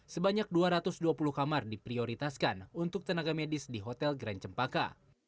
sebanyak dua ratus dua puluh kamar diprioritaskan untuk tenaga medis di hotel grand cempaka